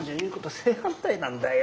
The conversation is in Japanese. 正反対なんだよ。